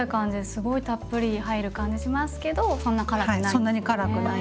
すごいたっぷり入る感じしますけどそんな辛くないんですもんね。